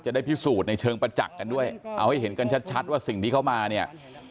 ได้พิสูจน์ในเชิงประจักษ์กันด้วยเอาให้เห็นกันชัดว่าสิ่งที่เขามาเนี่ย